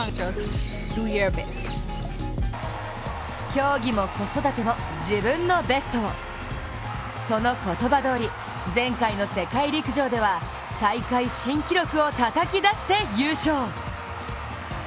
競技も子育ても自分のベストを、その言葉どおり、前回の世界陸上では大会新記録をたたき出して優勝。